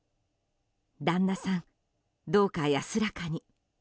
旦那さん、どうか安らかに。